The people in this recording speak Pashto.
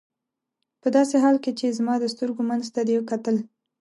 په داسې حال کې چې زما د سترګو منځ ته دې کتل.